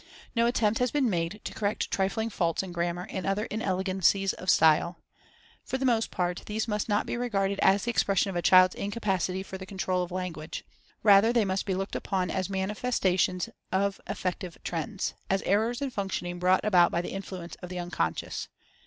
No attempt has been made to correct trifling faults in grammar and other inelegancies of style. For the most part, these must not be regarded as the expression of a child's incapacity for the control of language. Rather must they be looked upon as manifestations of affective trends, as errors in functioning brought about by the influence of the Unconscious.